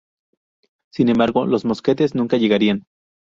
Sin embargo, los mosquetes nunca llegarían.